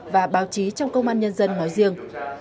và báo chí trong công an nhân dân nói riêng